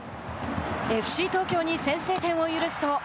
ＦＣ東京に先制点を許すと。